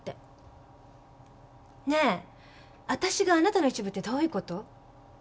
ねぇあたしがあなたの一部ってどういうこと？